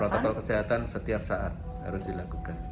protokol kesehatan setiap saat harus dilakukan